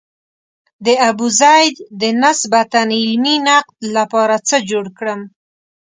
د ابوزید د نسبتاً علمي نقد لپاره څه جوړ کړم.